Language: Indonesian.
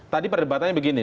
tadi perdebatannya begini